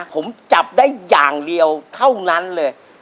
ผมจับได้อย่างเดียวเท่านั้นเลย